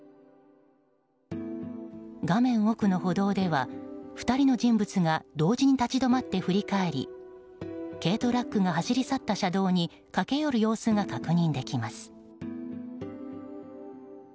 画面奥の歩道では２人の人物が同時に立ち止まって振り返り軽トラックが走り去った車道に駆け寄る様子が確認できます。